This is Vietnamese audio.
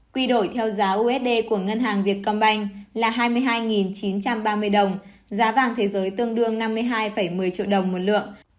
quy đổi theo giá usd của ngân hàng việt công banh là hai mươi hai chín trăm ba mươi đồng giá vàng thế giới tương đương năm mươi hai một mươi triệu đồng một lượng